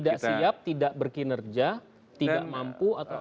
tidak siap tidak berkinerja tidak mampu atau tidak